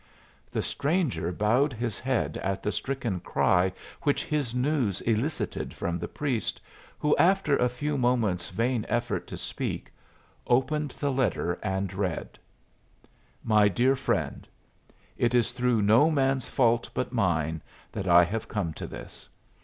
The stranger bowed his head at the stricken cry which his news elicited from the priest, who, after a few moments vain effort to speak, opened the letter and read: "MY DEAR FRIEND, It is through no man's fault but mine that I have come to this.